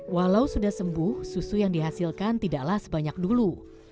walau sudah sembuh susu yang dihasilkan tidaklah sebanyak dulu